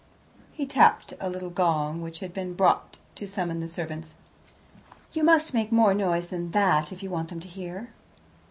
He tapped a little gong, which had been bought to summon the servants. "You must make more noise than that if you want them to hear."